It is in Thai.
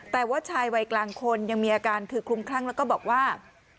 แต่ว่าชายวัยกลางคนยังมีอาการคือคลุมคลั่งแล้วก็บอกว่า